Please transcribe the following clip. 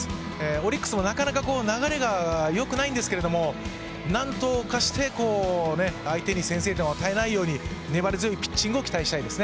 オリックスもなかなか流れがよくないんですけど、なんとかして相手に先制点を与えないように粘り強いピッチングを期待します。